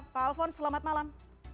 pak alphonse selamat malam